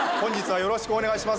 よろしくお願いします！